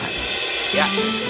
dan lebih dekat